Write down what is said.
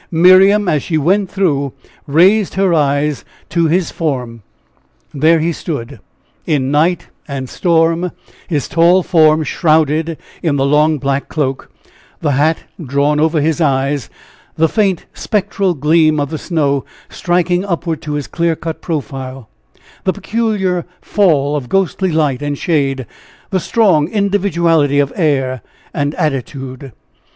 Miriam, as she went through, raised her eyes to his form. There he stood, in night and storm, his tall form shrouded in the long black cloak the hat drawn over his eyes, the faint spectral gleam of the snow striking upward to his clear cut profile, the peculiar fall of ghostly light and shade, the strong individuality of air and attitude.